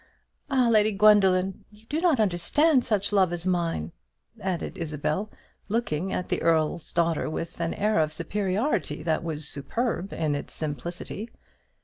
Ah, Lady Gwendoline, you do not understand such love as mine!" added Isabel, looking at the Earl's daughter with an air of superiority that was superb in its simplicity.